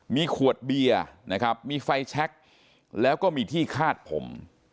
มีขวดเบียร์นะครับมีไฟแช็คแล้วก็มีที่คาดผม